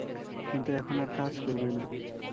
কিন্তু এখন আর কাজ করবে না।